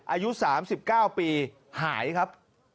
อายุ๓๙ปีหายครับ